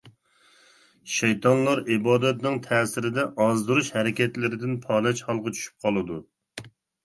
شەيتانلار ئىبادەتنىڭ تەسىرىدە ئازدۇرۇش ھەرىكەتلىرىدىن پالەچ ھالغا چۈشۈپ قالىدۇ.